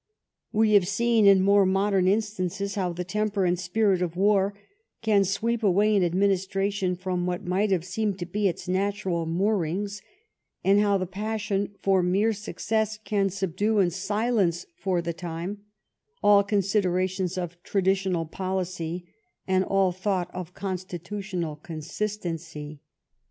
We have seen in more modern instances how the temper and spirit of war can sweep away an administration from what might have seemed to be its natural moorings, and how the passion for mere success can subdue and silence for the time all considerations of traditional policy and all thought of constitutional consistency.